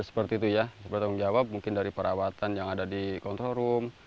seperti itu ya seperti tanggung jawab mungkin dari perawatan yang ada di control room